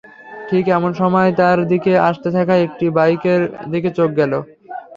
ঠিক এমন সময় তার দিকে আসতে থাকা একটি বাইকের দিকে চোখ গেল।